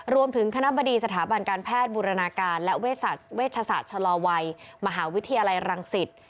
คณะบดีสถาบันการแพทย์บูรณาการและเวชศาสตร์ชะลอวัยมหาวิทยาลัยรังสิต